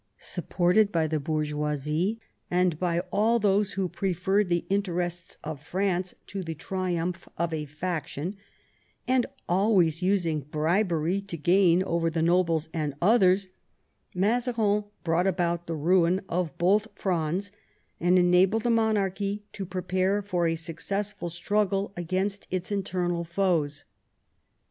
Supported by the hawrgeoisie and by all those who preferred the interests of France to the triumph of a faction, and always using bribery to gain over the nobles and others, Mazarin brought about the ruin of both Frondes, and enabled the monarchy to prepare for a successful struggle against its internal foes.